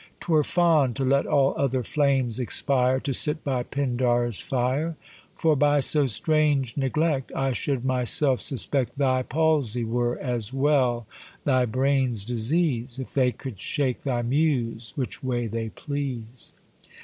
'Twere fond, to let all other flames expire, To sit by Pindar's fire: For by so strange neglect I should myself suspect Thy palsie were as well thy brain's disease, If they could shake thy muse which way they please.